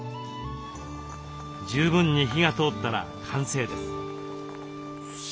十分に火が通ったら完成です。